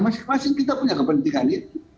masing masing kita punya kepentingan itu